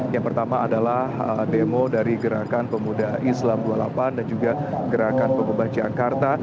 yang pertama adalah demo dari gerakan pemuda islam dua puluh delapan dan juga gerakan pengubah jakarta